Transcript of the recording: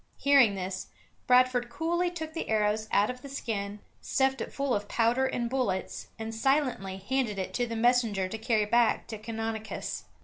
Hearing this, Bradford coolly took the arrows out of the skin, stuffed it full of powder and bullets, and silently handed it to the messenger to carry back to Canonicus.